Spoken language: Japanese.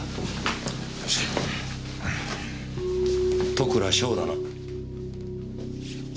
戸倉翔だな？